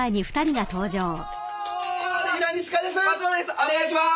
お願いします」